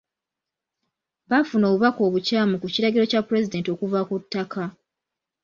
Baafuna obubaka obukyamu ku kiragiro kya pulezidenti okuva ku ttaka.